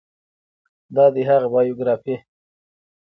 دا دی هغه بایوګرافي